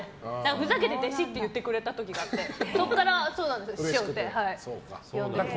ふざけて弟子って言ってくれた時があってそこから師匠って呼んでます。